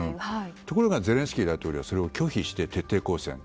ところがゼレンスキー大統領はそれを拒否して、徹底抗戦。